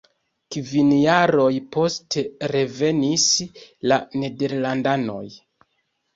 Kvin jaroj poste revenis la nederlandanoj.